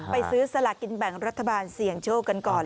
ไปซื้อสลากินแบ่งรัฐบาลเสี่ยงโชคกันก่อน